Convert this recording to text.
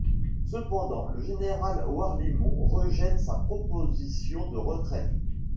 Cependant, le général Warlimont rejette sa proposition de retraite.